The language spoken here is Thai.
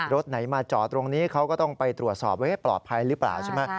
รถไหนมาจอดตรงนี้เขาก็ต้องไปตรวจสอบว่าปลอดภัยหรือเปล่าใช่ไหม